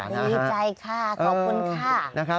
ดีใจค่ะขอบคุณค่ะ